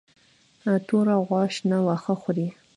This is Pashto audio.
توره غوا شنه واښه خوري.